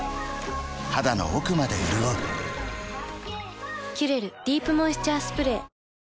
肌の奥まで潤う「キュレルディープモイスチャースプレー」